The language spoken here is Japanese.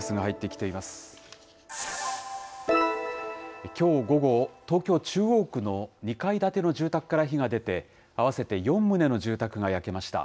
きょう午後、東京・中央区の２階建ての住宅から火が出て、合わせて４棟の住宅が焼けました。